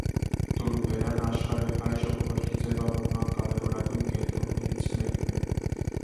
Տուրուբերան աշխարհը հայ ժողովրդի ձևավորման կարևորագույն կենտրոններից մեկն է։